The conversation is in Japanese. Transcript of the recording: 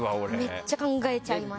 めっちゃ考えちゃいます。